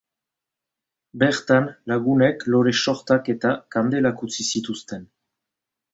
Bertan, lagunek lore-sortak eta kandelak utzi zituzten.